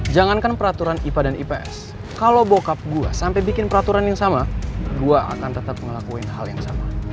jangan kan peraturan ipa dan ips kalo bokap gue sampe bikin peraturan yang sama gue akan tetep ngelakuin hal yang sama